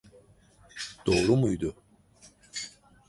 Doğru muydu?